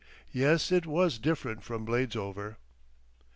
Yes, it was different from Bladesover.